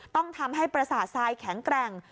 ต้องทำให้ประศาสตร์ไซด์แข็งแกร่ง